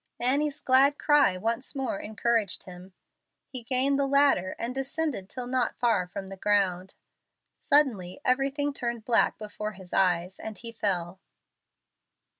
Annie's glad cry once more encouraged him. He gained the ladder and descended till not far from the ground. Suddenly everything turned black before his eyes, and he fell.